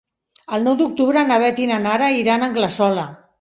El nou d'octubre na Beth i na Nara iran a Anglesola.